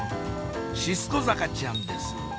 シスコ坂ちゃんです